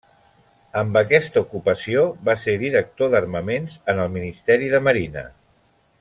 Amb aquesta ocupació va ser director d'armaments en el Ministeri de Marina.